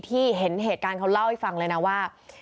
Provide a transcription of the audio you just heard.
เห็นเหตุการณ์เขาเล่าให้ฟังเลยนะว่า